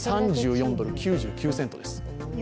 ３４ドル９９セントです。